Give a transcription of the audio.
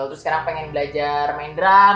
terus sekarang pengen belajar main drum